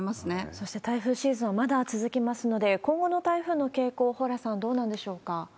そして台風シーズンはまだ続きますので、今後の台風の傾向、蓬莱さん、どうなんでしょうか？